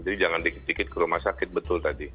jadi jangan dikit dikit ke rumah sakit betul tadi